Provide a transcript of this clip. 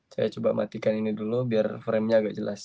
saya coba matikan ini dulu biar framenya agak jelas